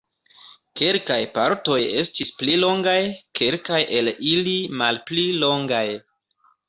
Kelkaj partoj estis pli longaj, kelkaj el ili malpli longaj.